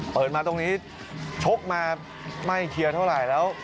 เปิดมาตรงนี้ชกมาไม่เคลียร์เท่าไหร่แล้ว